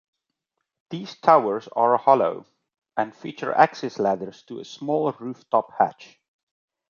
These towers are hollow, and feature access ladders to a small roof top hatch.